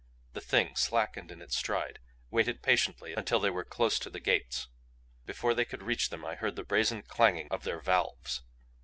The Thing slackened in its stride; waited patiently until they were close to the gates. Before they could reach them I heard the brazen clanging of their valves.